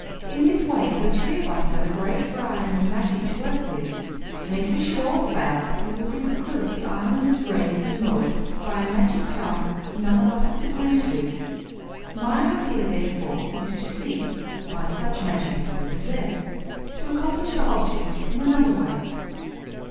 In this way the three of us have a great variety of magic to work with, and if we should all fail it will be because the island is raised and lowered by a magic power none of us is acquainted with. My idea therefore is to seek by such magic as we possess to accomplish our object in another way."